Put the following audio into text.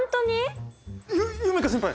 ゆ夢叶先輩！